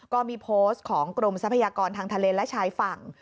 ก็มีโพสต์ของกรมทรัพยากรทางทะเลและชายฝั่ง